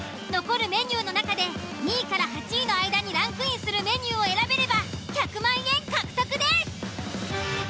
残るメニューの中で２位８位の間にランクインするメニューを選べれば１００万円獲得です。